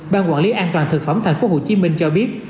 ban quản lý an toàn thực phẩm tp hcm cho biết